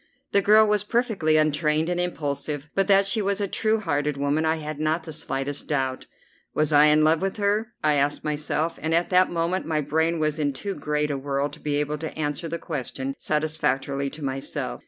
The girl was perfectly untrained and impulsive, but that she was a true hearted woman I had not the slightest doubt. Was I in love with her? I asked myself, and at that moment my brain was in too great a whirl to be able to answer the question satisfactorily to myself.